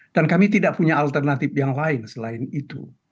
dan kami tidak punya alternatif yang lain selain itu